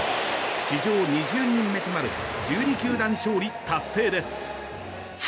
史上２０人目となる１２球団勝利達成です。